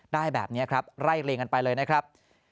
ได้แบบนี้ครับไล่เลียงกันไปเลยนะครับ